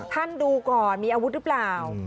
ดูก่อนมีอาวุธหรือเปล่า